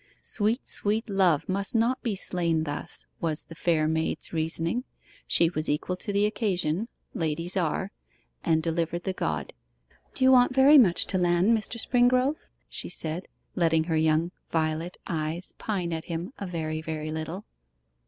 Sweet, sweet Love must not be slain thus, was the fair maid's reasoning. She was equal to the occasion ladies are and delivered the god 'Do you want very much to land, Mr. Springrove?' she said, letting her young violet eyes pine at him a very, very little.